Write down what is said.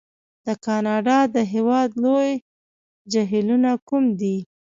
د کانادا د هېواد لوی جهیلونه کوم دي؟